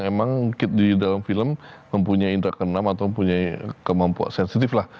memang di dalam film mempunyai indra ke enam atau mempunyai kemampuan sensitif lah